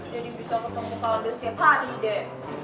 jadi bisa ketemu kaldu setiap hari deh